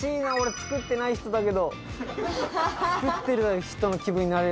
作ってない人だけど作ってる人の気分になれる。